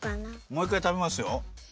もう１かい食べますよ。